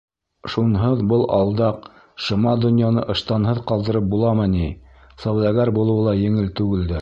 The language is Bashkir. Шунһыҙ был алдаҡ шыма донъяны ыштанһыҙ ҡалдырып буламы ни, сауҙагәр булыуы ла еңел түгелдер.